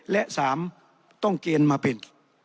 และ๓ต้องเกณฑ์มาเป็น